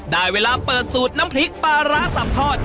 ได้เวลาเปิดสูตรน้ำพริกปลาร้าสับทอด